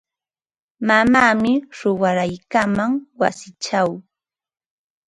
Mamaami shuwaraykaaman wasichaw.